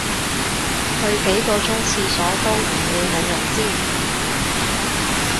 去幾個鐘廁所都唔會無人知